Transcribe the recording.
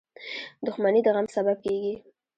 • دښمني د غم سبب کېږي.